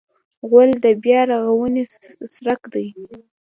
غول د بیا رغونې څرک دی.